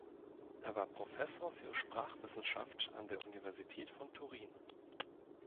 Er war Professor für Sprachwissenschaft an der Universität von Turin.